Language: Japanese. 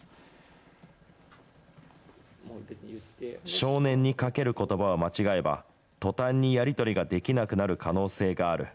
少年にかけることばを間違えば、とたんにやり取りができなくなる可能性がある。